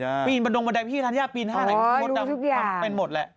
เห็นหมดโปรตปีนบำดงบดาบของพี่ธัญญาหรอกมนต์ดำทำเป็นหมดแล้ว